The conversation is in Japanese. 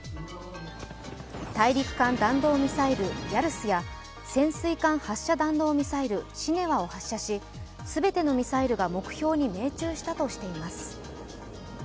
大陸間弾道ミサイル＝ヤルスや潜水艦発射弾道ミサイル＝シネワを発射し、全てのミサイルが目標に命中したとしています。